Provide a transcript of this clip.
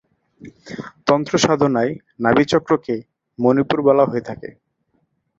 তন্ত্র সাধনায় নাভি-চক্রকে মনিপুর বলা হয়ে থাকে।